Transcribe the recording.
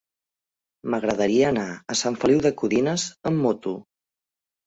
M'agradaria anar a Sant Feliu de Codines amb moto.